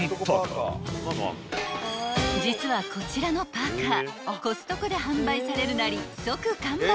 ［実はこちらのパーカーコストコで販売されるなり即完売］